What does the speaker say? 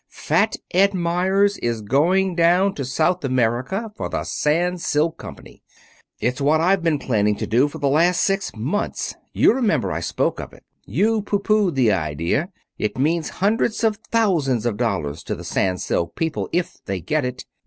Fat Ed Meyers is going down to South America for the Sans Silk Company. It's what I've been planning to do for the last six months. You remember I spoke of it. You pooh poohed the idea. It means hundreds of thousands of dollars to the Sans Silk people if they get it.